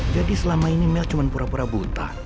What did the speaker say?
jadi selama ini mel cuma pura pura buta